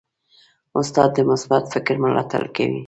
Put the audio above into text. استاد د مثبت فکر ملاتړ کوي.